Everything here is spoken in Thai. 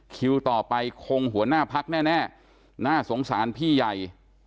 คิวต่อไปคงหัวหน้าพักแน่น่าสงสารพี่ใหญ่